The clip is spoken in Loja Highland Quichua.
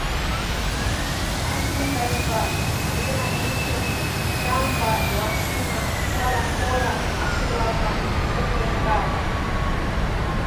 Ashintashpa rinakushun kanpa wasima sara jora asuwata upiyankapa.